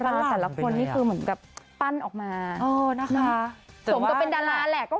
ดาราแบบเป็นการปั้นออกมาสวนก็เป็นดาราแหละ